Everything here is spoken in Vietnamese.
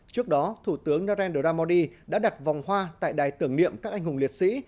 trước đó thủ tướng narendra modi đã đặt vòng hoa tại đài tưởng niệm các anh hùng liệt sĩ